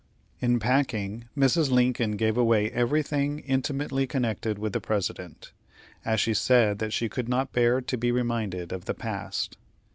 In packing, Mrs. Lincoln gave away everything intimately connected with the President, as she said that she could not bear to be reminded of the past.